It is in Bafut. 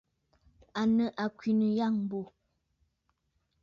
À nɨ àkwènə̀ àyâŋmbô.